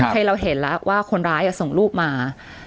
ให้เราเห็นแล้วว่าคนร้ายส่งรูปมา